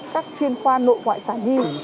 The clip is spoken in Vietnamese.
các chuyên khoa nội ngoại sản hiệu